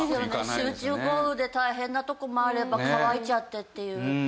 集中豪雨で大変な所もあれば乾いちゃってっていう。